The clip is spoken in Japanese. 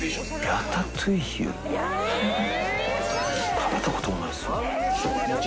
食べたこともないですね。